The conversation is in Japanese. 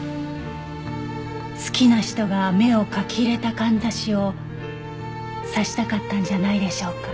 好きな人が目を描き入れたかんざしを挿したかったんじゃないでしょうか。